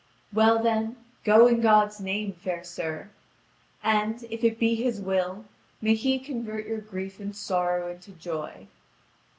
"Well, then, go in God's name, fair sir; and, if it be His will, may He convert your grief and sorrow into joy."